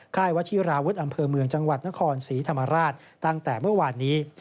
วัชิราวุฒิอำเภอเมืองจังหวัดนครศรีธรรมราชตั้งแต่เมื่อวานนี้